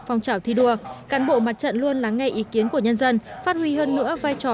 phong trào thi đua cán bộ mặt trận luôn lắng nghe ý kiến của nhân dân phát huy hơn nữa vai trò